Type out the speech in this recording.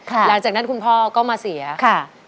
หลังจากนั้นคุณพ่อก็มาเสียค่ะ